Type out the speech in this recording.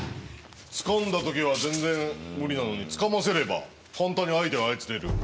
つかんだ時は全然無理なのにつかませれば簡単に相手を操れる。